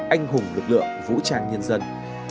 anh hùng lực lượng vũ trang nhân dân